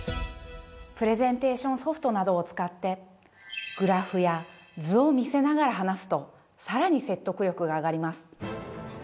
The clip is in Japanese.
プレゼンテーションソフトなどを使ってグラフや図を見せながら話すとさらに説得力が上がります。